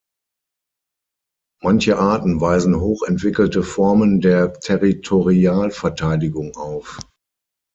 Manche Arten weisen hoch entwickelte Formen der Territorialverteidigung auf.